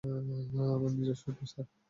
আমার নিজের suit, sir.